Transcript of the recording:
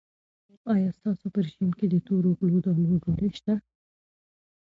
آیا ستاسو په رژیم کې د تورو غلو دانو ډوډۍ شته؟